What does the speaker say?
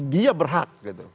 dia berhak gitu